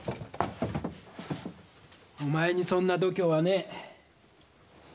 お前にそんな度胸はねえ。